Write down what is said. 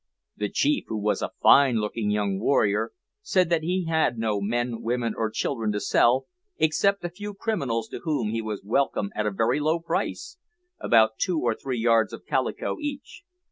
The chief, who was a fine looking young warrior, said that he had no men, women or children to sell, except a few criminals to whom he was welcome at a very low price, about two or three yards of calico each.